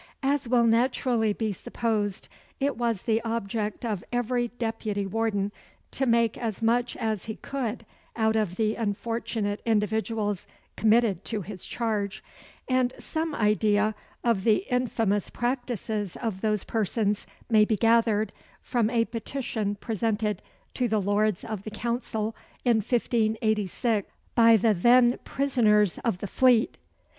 As will naturally be supposed, it was the object of every deputy warden to make as much as he could out of the unfortunate individuals committed to his charge; and some idea of the infamous practices of those persons may be gathered, from a petition presented to the Lords of the Council in 1586 by the then prisoners of the Fleet.